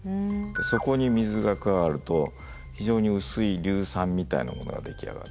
そこに水が加わると非常に薄い硫酸みたいなものが出来上がる。